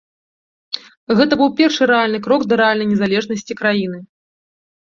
Гэта быў першы рэальны крок да рэальнай незалежнасці краіны.